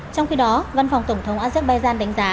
trong khi đó văn phòng tổng thống azerbaijan đánh giá